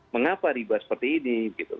mengapa dibuat seperti ini